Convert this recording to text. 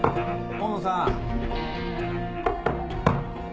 大野さん！